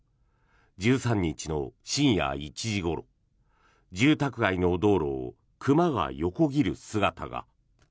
１３日の深夜１時ごろ住宅街の道路を熊が横切る姿が。